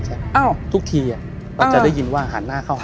ใช่ไหมอ้าวทุกทีอ่ะอ่าเราจะได้ยินว่าหันหน้าเข้าหา